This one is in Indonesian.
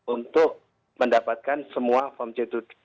untuk mendapatkan semua form c dua